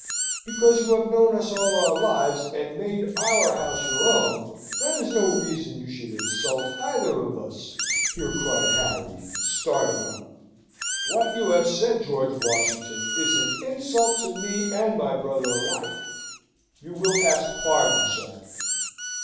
"Because you have known us all our lives, and made our house your own, that is no reason you should insult either of us!" here cried Harry, starting up. "What you have said, George Washington, is an insult to me and my brother alike. You will ask pardon, sir!"